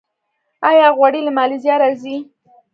آیا غوړي له مالیزیا راځي؟